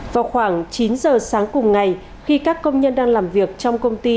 vào khoảng chín giờ sáng cùng ngày khi các công nhân đang làm việc trong công ty